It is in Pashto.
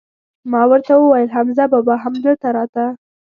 ما ور ته وویل: حمزه بابا هم دلته راته؟